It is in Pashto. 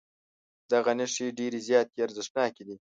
دغه نښې ډېرې زیاتې ارزښتناکې دي.